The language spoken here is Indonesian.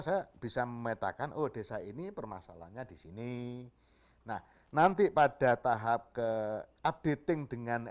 saya bisa memetakan oh desa ini permasalahannya di sini nah nanti pada tahap ke updating dengan